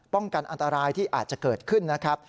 กันอันตรายที่อาจจะเกิดขึ้นนะครับ